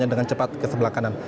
yaitu berat sayuran